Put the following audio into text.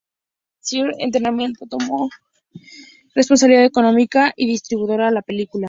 Summit Entertainment tomó la responsabilidad económica y distribuidora de la película.